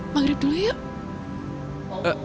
maghrib dulu yuk